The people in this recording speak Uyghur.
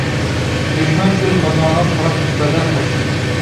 دۈشمەن ئۆز ماكانىغا قاراپ بەدەر قاچتى.